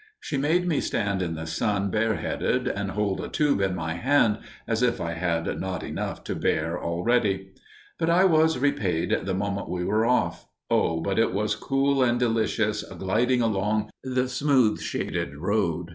She made me stand in the sun bareheaded and hold a tube in my hand, as if I had not enough to bear, already. But I was repaid the moment we were off. Oh, but it was cool and delicious gliding along the smooth, shaded road!